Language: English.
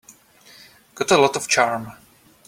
Got a lot of charm.